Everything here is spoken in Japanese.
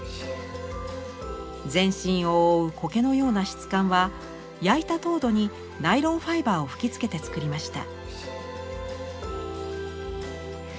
全身を覆う苔のような質感は焼いた陶土にナイロンファイバーを吹きつけて作りました。